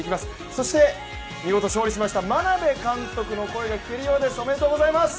そして、見事勝利しました眞鍋監督の声が聞けるようです。